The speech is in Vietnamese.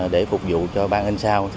để phục vụ cho ban in sao